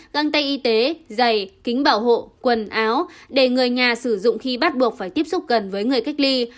găng tay y tế dày kính bảo hộ quần áo để người nhà sử dụng khi bắt buộc phải tiếp xúc gần với người cách ly